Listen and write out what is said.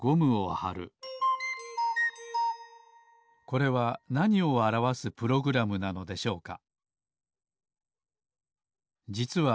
これはなにをあらわすプログラムなのでしょうか？